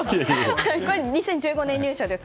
私は２０１５年入社です。